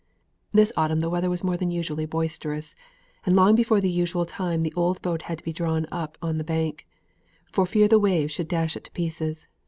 This autumn the weather was more than usually boisterous; and long before the usual time the old boat had to be drawn up on to the bank, for fear the waves should dash it to pieces.